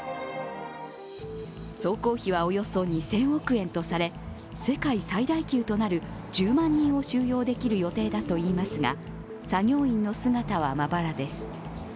総工費はおよそ２０００億円とされ世界最大級となる１０万人を収容できる予定だといいますが作業員の姿はまばらです。